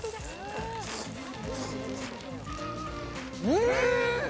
うん！